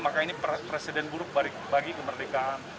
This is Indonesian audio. maka ini presiden buruk bagi kemerdekaan